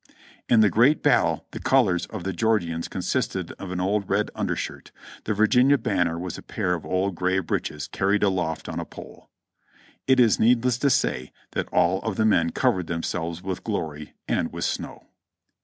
In the great battle the colors of the Georgians consisted of an old red undershirt ; the Virginia banner was a pair of old gray breeches carried aloft on a pole. It is needless to say that all of the men covered themselves with glory and with snow.